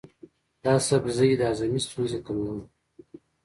دا سبزی د هاضمې ستونزې کموي.